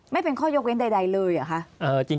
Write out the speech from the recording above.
ไม่เป็นข้อยกเว้นใดเลยเหรอคะ